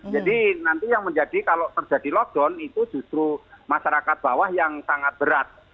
jadi nanti yang menjadi kalau terjadi lockdown itu justru masyarakat bawah yang sangat berat